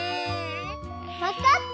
わかった！